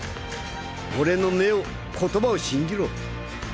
俺の目を言葉を信じろ。